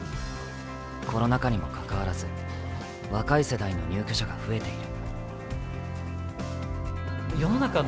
コロナ禍にもかかわらず若い世代の入居者が増えている。